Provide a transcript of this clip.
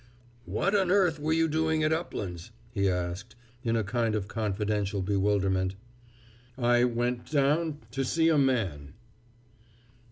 "What on earth were you doing at Uplands?" he asked, in a kind of confidential bewilderment. "I went down to see a man."